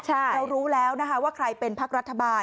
เรารู้แล้วนะคะว่าใครเป็นพักรัฐบาล